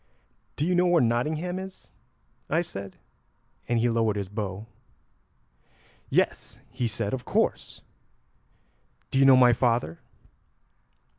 'Do you know where Nottingham is?' I said, and he lowered his bow. 'Yes,' he said, 'of course. Do you know my father?'